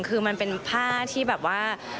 คือมันเป็นผ้าที่แบบว่า